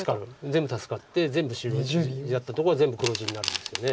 全部助かって全部白地だったとこが全部黒地になるんですよね。